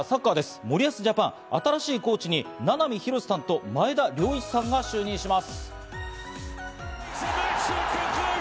森保ジャパン、新しいコーチに名波浩さんと前田遼一さんが就任します。